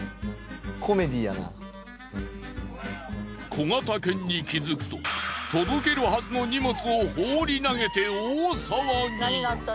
小型犬に気づくと届けるはずの荷物を放り投げて大騒ぎ。